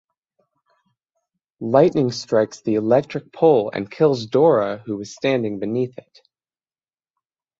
Lightning strikes the electric pole and kills Dora who was standing beneath it.